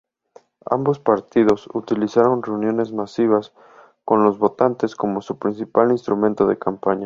Ambos partidos utilizaron reuniones masivas con los votantes como su principal instrumento de campaña.